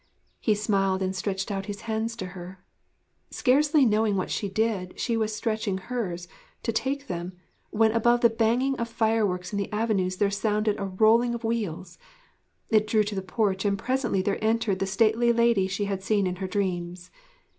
He smiled and stretched out his hands to her. Scarcely knowing what she did, she was stretching hers, to take them, when above the banging of fireworks in the avenues there sounded a rolling of wheels. It drew to the porch, and presently there entered the stately lady she had seen in her dreams.